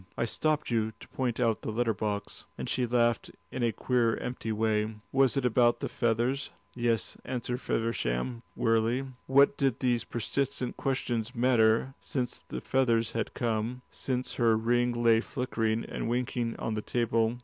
I stopped you to point out the letter box," and she laughed in a queer empty way. "Was it about the feathers?" "Yes," answered Feversham, wearily. What did these persistent questions matter, since the feathers had come, since her ring lay flickering and winking on the table?